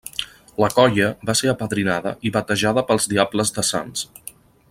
La colla va ser apadrinada i batejada pels Diables de Sants.